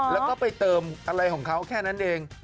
แล้วก็ไปเติมอะไรของเขาแค่นั้นเอง